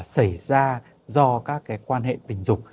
xảy ra do các cái quan hệ tình dục